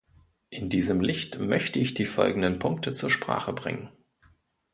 In diesem Licht möchte ich die folgenden Punkte zur Sprache bringen.